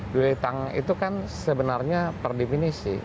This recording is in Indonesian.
dueling time itu kan sebenarnya per divinisi